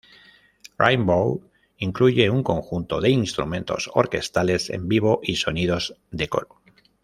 Rainbow incluye un conjunto de instrumentos orquestales en vivo y sonidos de coro.